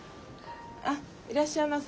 あいらっしゃいませ。